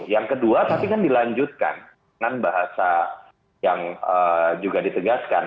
yang kedua tapi kan dilanjutkan dengan bahasa yang juga ditegaskan